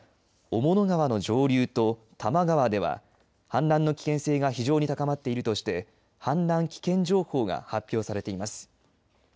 また雄物川の上流と玉川では氾濫の危険性が非常に高まっているとして氾濫危険情報が発表されています。